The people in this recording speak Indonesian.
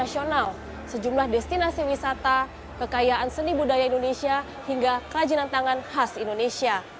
sejumlah destinasi wisata kekayaan seni budaya indonesia hingga kerajinan tangan khas indonesia